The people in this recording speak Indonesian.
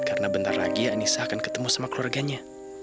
karena bentar lagi anissa akan ketemu sama keluarganya